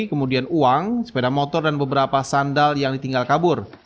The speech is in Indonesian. kemudian uang sepeda motor dan beberapa sandal yang ditinggal kabur